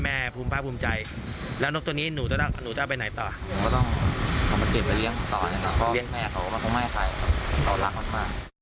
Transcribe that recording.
มันกลายเป็นหง่อยไปเลยนะครับ